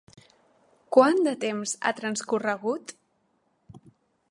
Quant de temps ha transcorregut?